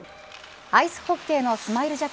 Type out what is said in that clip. アイスホッケーのスマイル